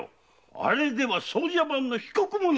あれでは奏者番の資格もないわ。